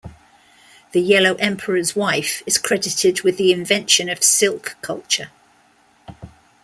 The Yellow Emperor's wife is credited with the invention of silk culture.